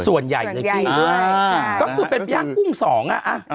ส่วนใหญ่เป็นยางกุ้งสอง